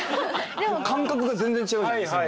感覚が全然違うじゃないですか。